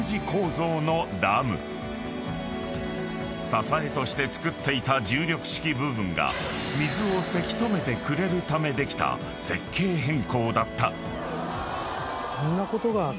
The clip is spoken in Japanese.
［支えとして造っていた重力式部分が水をせき止めてくれるためできた設計変更だった］